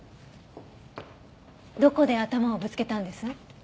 どこで頭をぶつけたんです？